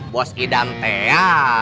bos idan teh ya